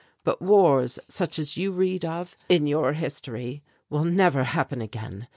But wars such as you read of in your history, will never happen again.